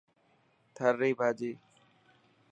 ٿر ري ڀاڄي .